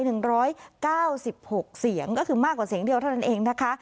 หนึ่งร้อยเก้าสิบหกเสียงก็คือมากกว่าเสียงเดียวเท่านั้นเองนะคะ